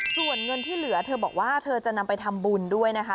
ส่วนเงินที่เหลือเธอบอกว่าเธอจะนำไปทำบุญด้วยนะคะ